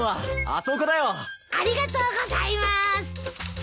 ありがとうございます。